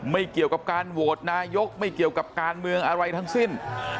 ไม่เกี่ยวกับการโหวตนายกไม่เกี่ยวกับการเมืองอะไรทั้งสิ้น